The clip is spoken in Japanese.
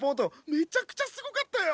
めちゃくちゃすごかったよ！